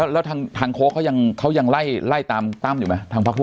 แล้วทางโค้กเขายังใล่ตามตำอยู่ไหมทางพักลัว